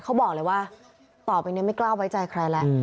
เขาบอกเลยว่าต่อไปนี้ไม่กล้าไว้ใจใครแล้ว